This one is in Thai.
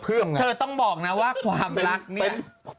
เธอต้องบอกนะว่าความรักเนี่ย